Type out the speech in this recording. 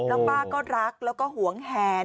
แล้วป้าก็รักแล้วก็หวงแหน